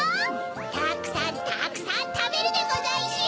たくさんたくさんたべるでござんしゅよ！